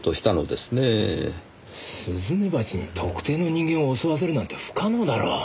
スズメバチに特定の人間を襲わせるなんて不可能だろ。